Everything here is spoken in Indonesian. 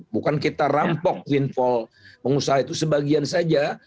bukan kita rampok windfall pengusaha itu sebagian saja